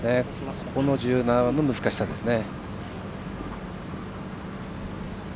ここが１７番の難しさですね。